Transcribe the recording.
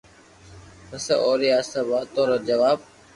پسو اووي آ سب واتون رو جواب